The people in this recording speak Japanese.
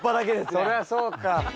そりゃそうか。